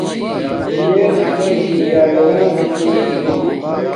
شر امیے چڑیاگھرانا دیکھم چھوم